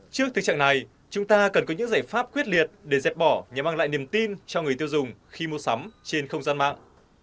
trước thực trạng này chúng ta cần có những giải pháp quyết liệt để dẹp bỏ nhằm mang lại niềm tin cho người tiêu dùng khi mua sắm trên không gian mạng